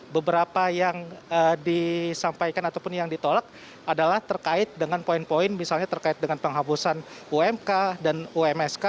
beberapa yang disampaikan ataupun yang ditolak adalah terkait dengan poin poin misalnya terkait dengan penghapusan umk dan umsk